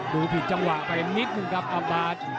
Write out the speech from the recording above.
ผิดจังหวะไปนิดนึงครับอาบาส